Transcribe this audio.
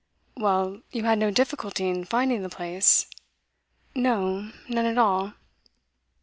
'Well, you had no difficulty in finding the place?' 'No none at all.